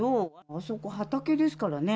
あそこ、畑ですからね。